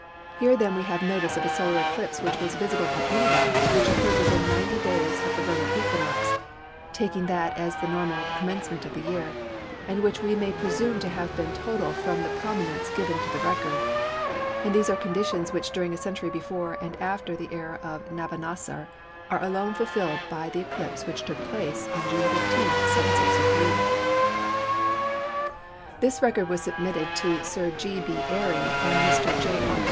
Here then we have notice of a solar eclipse which was visible at Nineveh which occurred within 90 days of the (vernal) equinox (taking that as the normal commencement of the year) and which we may presume to have been total from the prominence given to the record, and these are conditions which during a century before and after the era of Nabonassar are alone fulfilled by the eclipse which took place on June 15, 763." This record was submitted to Sir G. B. Airy and Mr. J. R.